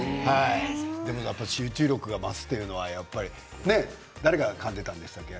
でも集中力が増すというのはね誰がかんでいたんでしたっけ？